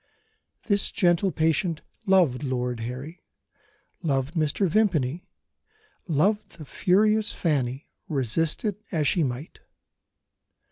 This gentle patient loved Lord Harry, loved Mr. Vimpany, loved the furious Fanny, resist it as she might.